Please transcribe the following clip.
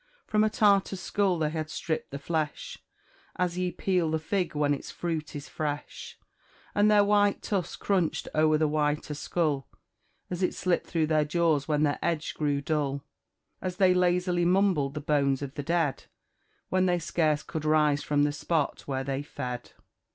From a Tartar's skull they had stripped the flesh, As ye peel the fig when its fruit is fresh; And their white tusks crunched o'er the whiter skull, As it slipped through their jaws when their edge grew dull; As they lazily mumbled the bones of the dead, When they scarce could rise from the spot where they fed."